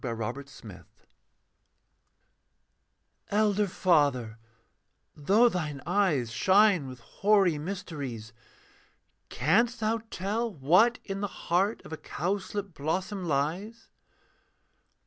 THE HOLY OF HOLIES 'Elder father, though thine eyes Shine with hoary mysteries, Canst thou tell what in the heart Of a cowslip blossom lies?